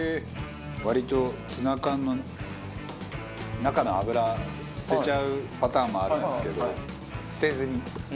割とツナ缶の中の油捨てちゃうパターンもあるんですけど。